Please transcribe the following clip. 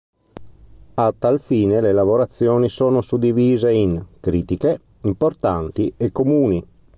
A tal fine le lavorazioni sono suddivise in "critiche", "importanti" e "comuni".